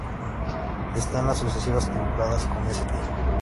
En las sucesivas temporadas con St.